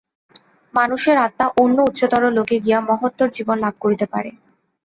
মানুষের আত্মা অন্য উচ্চতর লোকে গিয়া মহত্তর জীবন লাভ করিতে পারে।